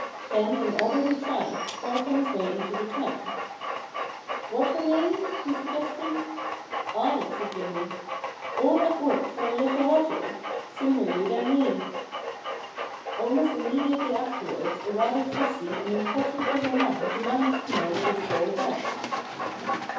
Then an elderly tramp paused on his way into the town. * Water main ?' he suggested. * Ay/ said Jimmy. * All that work for a little water I Sooner you than me.' Almost immediately afterwards a rather fussy and important little man demanded to know what it was all about.